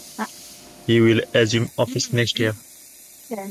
He will assume office next year.